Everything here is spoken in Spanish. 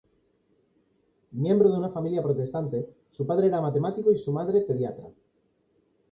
Miembro de una familia protestante; su padre era matemático y su madre pediatra.